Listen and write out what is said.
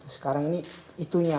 sekarang ini itunya